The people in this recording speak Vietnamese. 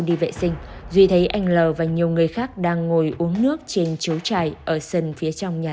tình sinh duy thấy anh l và nhiều người khác đang ngồi uống nước trên chấu trại ở sân phía trong nhà